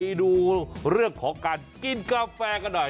ไปดูเรื่องของการกินกาแฟกันหน่อย